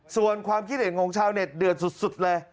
ส่วนความคิดเห็นของชาวเน็ตเดือดสุดเลย